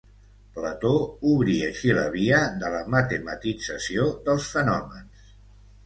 Plató obri així la via de la matematització dels fenòmens.